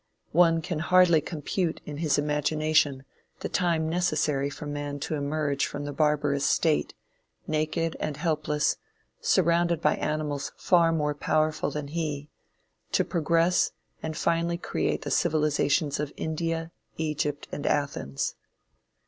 One can hardly compute in his imagination the time necessary for man to emerge from the barbarous state, naked and helpless, surrounded by animals far more powerful than he, to progress and finally create the civilizations of India, Egypt and Athens.